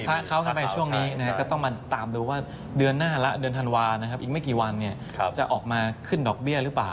ถ้าเขาขึ้นไปช่วงนี้ก็ต้องมาตามดูว่าเดือนหน้าและเดือนธันวานะครับอีกไม่กี่วันจะออกมาขึ้นดอกเบี้ยหรือเปล่า